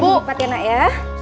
ipat ya nak ya